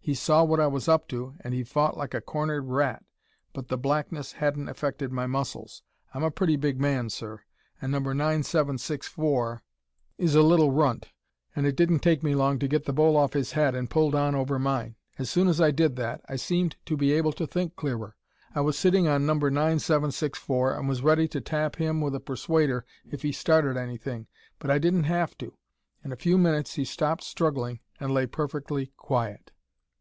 He saw what I was up to and he fought like a cornered rat, but the blackness hadn't affected my muscles. I'm a pretty big man, sir, and No. 9764 is a little runt, and it didn't take me long to get the bowl off his head and pulled on over mine. As soon as I did that, I seemed to be able to think clearer. I was sitting on No. 9764 and was ready to tap him with a persuader if he started anything, but I didn't have to. In a few minutes he stopped struggling and lay perfectly quiet.